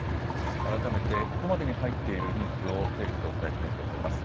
改めて、ここまでに入っているニュースを整理してお伝えしたいと思います。